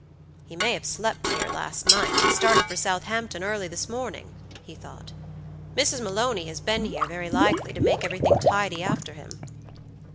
"He may have slept here last night, and started for Southampton early this morning," he thought. "Mrs. Maloney has been here, very likely, to make everything tidy after him."